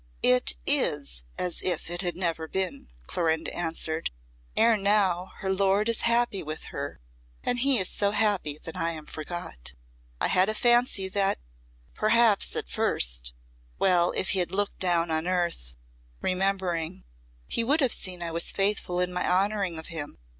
"It is as if it had never been," Clorinda answered. "Ere now her lord is happy with her, and he is so happy that I am forgot. I had a fancy that perhaps at first well, if he had looked down on earth remembering he would have seen I was faithful in my honouring of him.